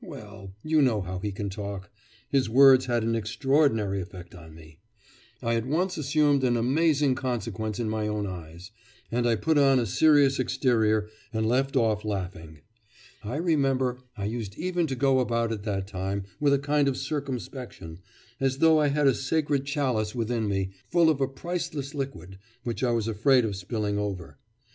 Well, you know how he can talk. His words had an extraordinary effect on me. I at once assumed an amazing consequence in my own eyes, and I put on a serious exterior and left off laughing. I remember I used even to go about at that time with a kind of circumspection, as though I had a sacred chalice within me, full of a priceless liquid, which I was afraid of spilling over....